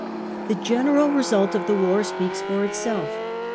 The general result of the war speaks for itself.